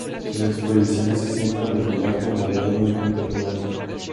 Sus exposiciones se centran en el arte moderno y contemporáneo.